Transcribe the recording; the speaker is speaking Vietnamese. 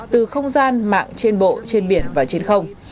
từ không gian mạng trên bộ trên biển và trên không